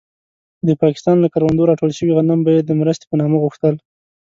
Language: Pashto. د پاکستان له کروندو راټول شوي غنم به يې د مرستې په نامه غوښتل.